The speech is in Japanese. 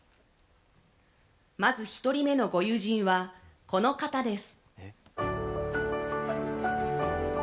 まず１人目のご友人はこの方です。